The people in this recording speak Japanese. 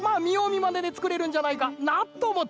まねでつくれるんじゃないかなとおもってます。